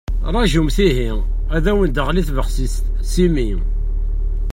Rajumt ihi, ad awent-d-teɣli tbexsist s imi.